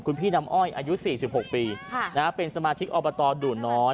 คุณพี่น้ำอ้อยอายุ๔๖ปีเป็นสมาชิกอบตดูน้อย